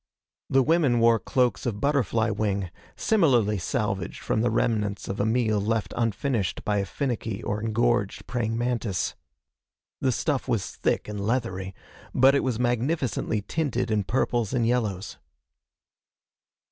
The women wore cloaks of butterfly wing, similarly salvaged from the remnants of a meal left unfinished by a finicky or engorged praying mantis. The stuff was thick and leathery, but it was magnificently tinted in purples and yellows.